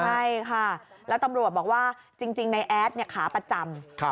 ใช่ค่ะแล้วตำรวจบอกว่าจริงในแอดขาประจำ